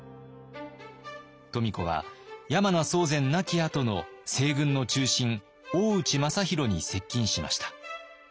富子は山名宗全亡きあとの西軍の中心大内政弘に接近しました。